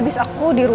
masuk pas deh